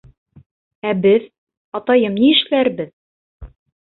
Ә беҙ, атайым ни эшләрбеҙ?